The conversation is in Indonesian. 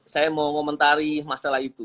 saya mau komentari masalah itu